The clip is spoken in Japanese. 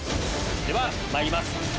ではまいります